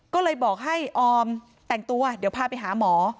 ก็เลยบอกให้ออมแต่งตัวเดี๋ยวพาไปหาหมอ